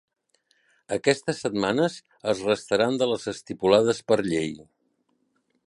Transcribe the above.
Aquestes setmanes es restaran de les estipulades per llei.